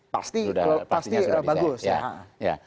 pasti pasti bagus ya